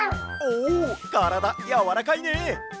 おからだやわらかいね！